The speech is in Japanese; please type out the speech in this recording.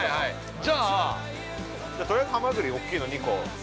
◆じゃあ◆とりあえずハマグリ大きいの２個。